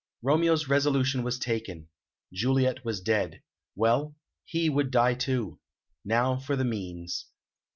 Romeo's resolution was taken. Juliet was dead. Well, he would die too. Now for the means.